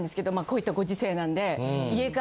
こういったご時世なんで。